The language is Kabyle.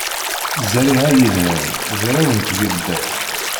Zerriɛa yelhan, d arraw n tgelda.